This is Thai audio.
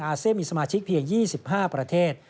เซียมีสมาชิกเพียง๒๕ประเทศ